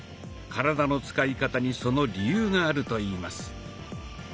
体の使い方にその理由があるといいます。